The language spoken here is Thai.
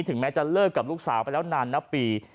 ถึงแม้จะเลิกกับลูกสาวไปแล้วนานนับปี